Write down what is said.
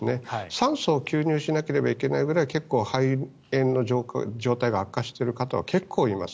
酸素を吸入しなければいけないぐらい結構、肺炎の状態が悪化している方は結構います。